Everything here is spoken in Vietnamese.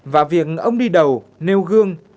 và việc ông đi đầu nêu gương